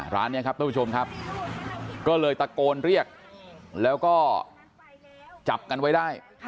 ร้านนี้ครับท่านผู้ชมครับก็เลยตะโกนเรียกแล้วก็จับกันไว้ได้